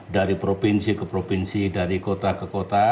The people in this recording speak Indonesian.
dari provinsi ke provinsi dari kota ke kota